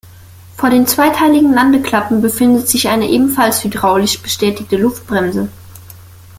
Vor den zweiteiligen Landeklappen befindet sich eine ebenfalls hydraulisch betätigte Luftbremse.